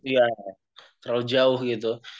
iya terlalu jauh gitu